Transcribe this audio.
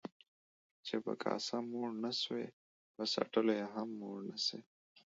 چي په کاسه موړ نسوې ، په څټلو به يې هم موړ نسې.